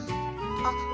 あっ。